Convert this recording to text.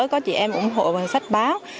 có chị em ủng hộ sách báo